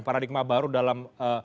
paradigma baru dalam